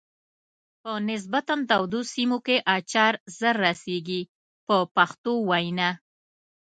په نسبتا تودو سیمو کې اچار زر رسیږي په پښتو وینا.